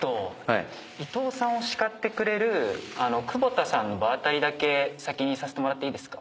伊藤さんを叱ってくれる久保田さんの場当たりだけ先にさせてもらっていいですか？